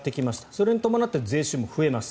それに伴って税収も増えます。